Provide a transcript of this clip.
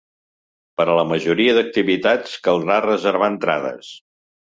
Per a la majoria d’activitats caldrà reservar entrades.